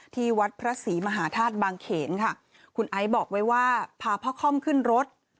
ที่วัดพระศรีมหาธาตุบางเขนค่ะคุณไอซ์บอกไว้ว่าพาพ่อค่อมขึ้นรถ